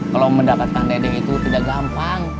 kalau mendapatkan tedeng itu tidak gampang